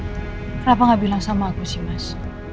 kenapa gak bilang sama aku sih mas